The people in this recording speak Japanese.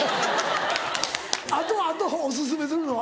あとあとお薦めするのは？